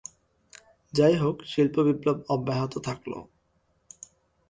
যাইহোক, শিল্প বিপ্লব অব্যাহত থাকল।